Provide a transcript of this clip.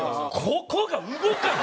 ここが動かん！